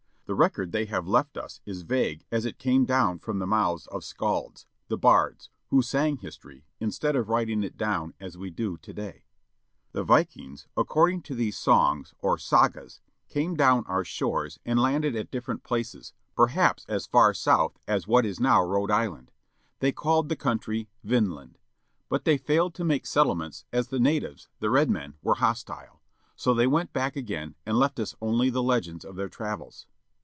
The record they have left us is vague as it came down from the mouths of "skalds" â the bards â who sang history, instead of writing it down as we do today. The Vikings, according to these songs, or "sagas," came down our shores. THE COMING OF THE NORSEMEN and landed at different places, perhaps as far south as what is now Rhode Island. They called the country Vinland. But they failed to make settlements as the natives, the red men, were hostile. So they went back again, and left us only the legend of their travels.